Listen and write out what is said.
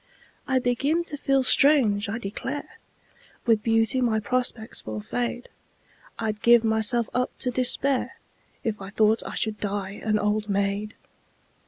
I begin to feel strange, I declare! With beauty my prospects will fade I'd give myself up to despair If I thought I should die an old maid!